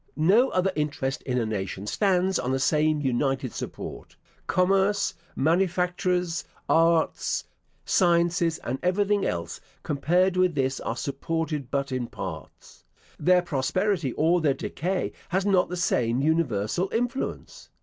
No other interest in a nation stands on the same united support. Commerce, manufactures, arts, sciences, and everything else, compared with this, are supported but in parts. Their prosperity or their decay has not the same universal influence.